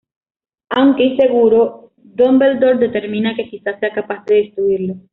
Aunque inseguro, Dumbledore determina que quizás sea capaz de destruirlo.